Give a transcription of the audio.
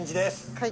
はい。